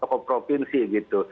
tokoh provinsi gitu